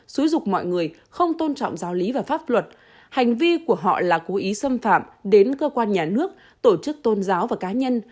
xúi dục mọi người không tôn trọng giáo lý và pháp luật hành vi của họ là cố ý xâm phạm đến cơ quan nhà nước tổ chức tôn giáo và cá nhân